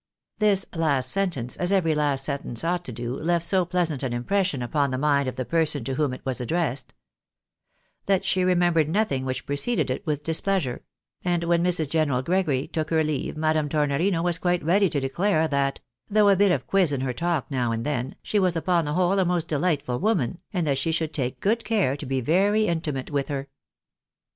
This last sentence, as every last sentence ought to do, left so pleasant an impression upon the mind of the person to whom it was addressed, that she remembered nothing which preceded it with displeasure ; and when Mrs. General Gregory took her leave, Madame Tornorino was quite ready to declare that " though a bit of quiz in her talk now and then, she was upon the whole a most delightful woman, and that she should take good care to be very intimate with her."